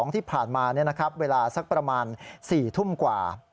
ที่ผ่านมาเนี่ยนะครับเวลาสักประมาณ๔ทุ่มกว่า